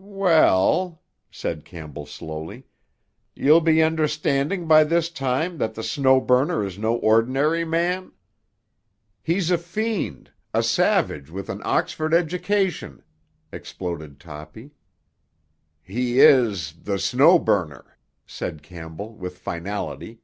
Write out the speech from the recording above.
"Well," said Campbell slowly, "ye'll be understanding by this time that the Snow Burner is no ordinar' man?" "He's a fiend—a savage with an Oxford education!" exploded Toppy. "He is—the Snow Burner," said Campbell with finality.